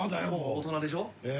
大人でしょ？へ。